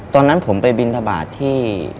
ตอนนั้นผมไปบินทบาทที่